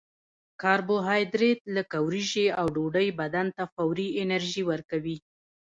کاربوهایدریت لکه وریجې او ډوډۍ بدن ته فوري انرژي ورکوي